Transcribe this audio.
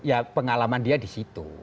ya pengalaman dia di situ